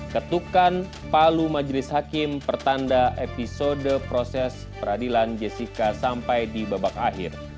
ketukan palu majelis hakim pertanda episode proses peradilan jessica sampai di babak akhir